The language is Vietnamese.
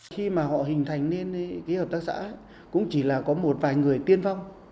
khi mà họ hình thành nên cái hợp tác xã cũng chỉ là có một vài người tiên phong